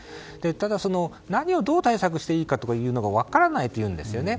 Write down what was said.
ただ、何をどう対策をしたらいいかが分からないというんですよね。